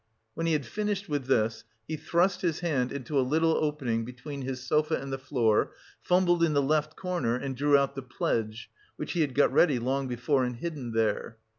When he had finished with this, he thrust his hand into a little opening between his sofa and the floor, fumbled in the left corner and drew out the pledge, which he had got ready long before and hidden there.